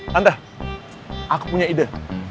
tante aku punya ide